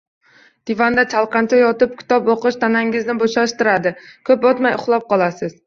Divanda chalqancha yotib kitob oʻqish tanangizni boʻshashtiradi, koʻp oʻtmay uxlab qolasiz